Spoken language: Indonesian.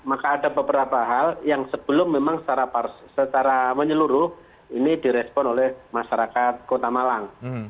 maka ada beberapa hal yang sebelum memang secara menyeluruh ini direspon oleh masyarakat kota malang